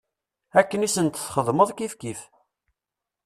Akken i sent-txedmeḍ kifkif.